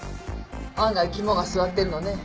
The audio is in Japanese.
案外肝が据わってるのね。